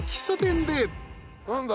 何だ？